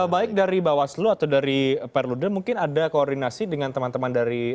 baik dari bawaslu atau dari perludem mungkin ada koordinasi dengan teman teman dari